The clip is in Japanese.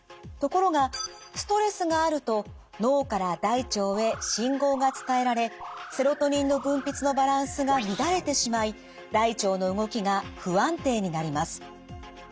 ところがストレスがあると脳から大腸へ信号が伝えられセロトニンの分泌のバランスが乱れてしまい大腸の動きが不安定になります。